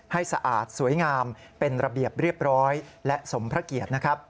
ให้สะอาดสวยงามเป็นระเบียบเรียบร้อยและสมพระเกียจ